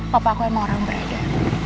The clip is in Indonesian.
papa aku emang orang berada